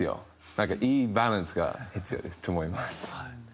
だからいいバランスが必要と思います。